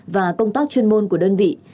và công tác chuyên môn của đơn vị